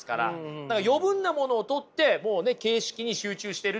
だから余分なものを取ってもうね形式に集中してるっていうことなんですよ。